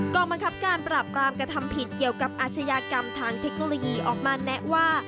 กรรมบังคับการปราบปรามกระทำผิดเกี่ยวกับอาชญากรรมทางเทคโนโลยีออกมาแนะว่า